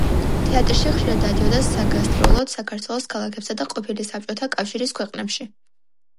თეატრი ხშირად დადიოდა საგასტროლოდ საქართველოს ქალაქებსა და ყოფილი საბჭოთა კავშირის ქვეყნებში.